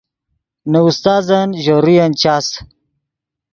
نے استازن ژے روین چاس